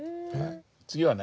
次はね